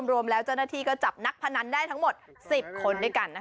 รวมแล้วเจ้าหน้าที่ก็จับนักพนันได้ทั้งหมด๑๐คนด้วยกัน